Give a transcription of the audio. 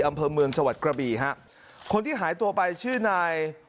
อำเภอเมืองจังหวัดกระบี่ฮะคนที่หายตัวไปชื่อนาย